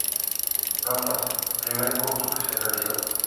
Notas: Primer corto que se realizó.